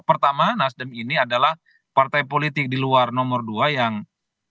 pertama nasdem ini adalah partai politik di luar nomor dua yang